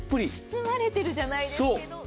包まれているじゃないですけど。